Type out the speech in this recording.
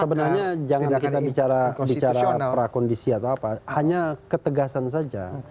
sebenarnya jangan kita bicara prakondisi atau apa hanya ketegasan saja